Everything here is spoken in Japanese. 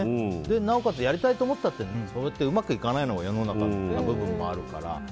なおかつやりたいって思ったってうまくいかないのが世の中の部分もあるから。